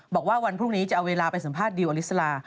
บอกว่าวันพรุ่งนี้จะเอาเวลาไปสัมภาษณ์ดิวอลิสลา